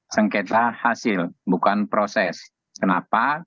sengketa hasil bukan proses kenapa